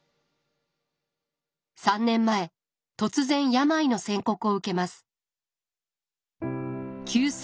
３年前突然病の宣告を受けます。